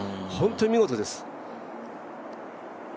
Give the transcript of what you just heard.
本当に見事です。